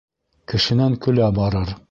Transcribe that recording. Кешенән көлә барыр